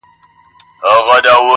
o خدایه مینه د قلم ورکي په زړو کي ,